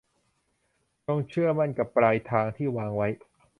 จงเชื่อมั่นกับปลายทางที่วางไว้